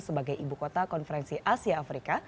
sebagai ibu kota konferensi asia afrika